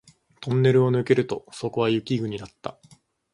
トンネルを抜けるとそこは雪国だった